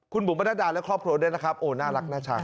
คุณบุ๋มประนัดดาและครอบครัวด้วยนะครับโอ้น่ารักน่าชัง